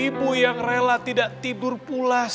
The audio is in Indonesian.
ibu yang rela tidak tidur pulas